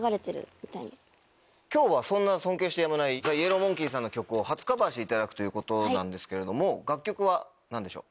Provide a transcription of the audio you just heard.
今日はそんな尊敬してやまないＴＨＥＹＥＬＬＯＷＭＯＮＫＥＹさんの曲を初カバーしていただくということなんですけれども楽曲は何でしょう？